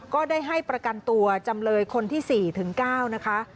ก็ได้ให้ประกันตัวจำเลยคนที่๔ถึง๙นะคะ